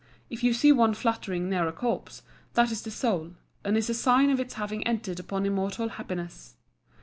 If you see one fluttering near a corpse, that is the soul, and is a sign of its having entered upon immortal happiness.